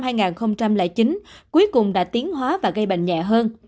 các loại virus sars cov hai cuối cùng đã tiến hóa và gây bệnh nhẹ hơn